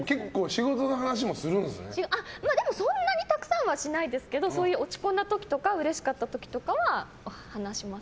でもそんなにたくさんはしないですけど落ち込んだ時とかうれしかった時とかは話しますね。